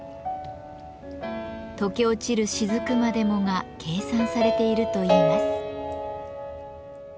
とけ落ちる滴までもが計算されているといいます。